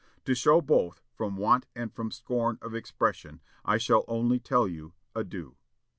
To show both, from want and from scorn of expression, I shall only tell you Adieu!"